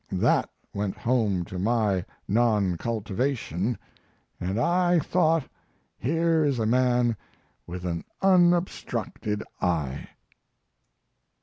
That went home to my non cultivation, and I thought, here is a man with an unobstructed eye.